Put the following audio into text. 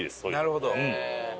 なるほど。